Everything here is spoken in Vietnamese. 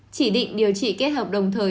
chỉ định điều trị kết hợp đồng thời